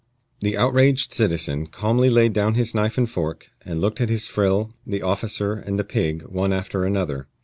The outraged citizen calmly laid down his knife and fork, and looked at his frill, the officer, and the pig, one after another.